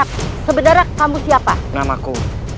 kami benar benar tidak tahu